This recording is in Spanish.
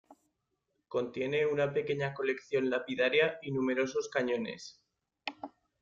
Contiene una pequeña colección lapidaria y numerosos cañones.